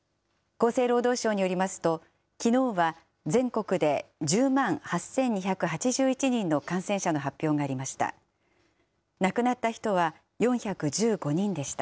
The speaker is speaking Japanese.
厚生労働省によりますと、きのうは全国で１０万８２８１人の感染者の発表がありました。